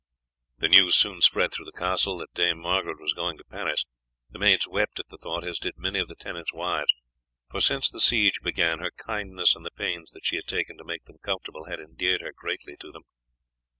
The news soon spread through the castle that Dame Margaret was going to Paris. The maids wept at the thought, as did many of the tenants' wives, for since the siege began, her kindness and the pains that she had taken to make them comfortable had endeared her greatly to them.